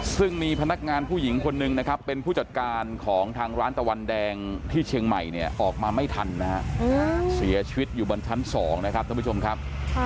ซึ่งมีพนักงานผู้หญิงคนหนึ่งนะครับเป็นผู้จัดการของทางร้านตะวันแดงที่เชียงใหม่เนี่ยออกมาไม่ทันนะฮะเสียชีวิตอยู่บนชั้น๒นะครับท่านผู้ชมครับ